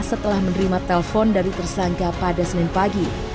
setelah menerima telepon dari tersangka pada senin pagi